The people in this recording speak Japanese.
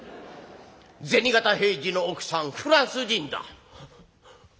銭形平次の奥さんフランス人だ。